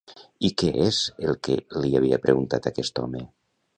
I què és el que li havia preguntat aquest home?